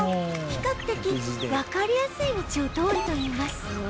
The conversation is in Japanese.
比較的わかりやすい道を通るといいます